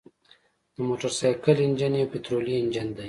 د موټرسایکل انجن یو پطرولي انجن دی.